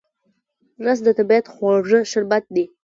رس د طبیعت خواږه شربت دی